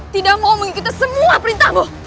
tidak mau mengikuti semua perintahmu